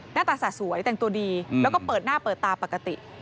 หน้าตาสะสวยแต่งตัวดีแล้วก็เปิดหน้าเปิดตาปกติ